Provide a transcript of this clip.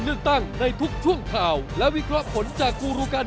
ประเด็นนี้เดี๋ยวให้สองคนไลน์คุยกัน